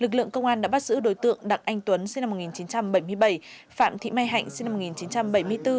lực lượng công an đã bắt giữ đối tượng đặng anh tuấn sinh năm một nghìn chín trăm bảy mươi bảy phạm thị mai hạnh sinh năm một nghìn chín trăm bảy mươi bốn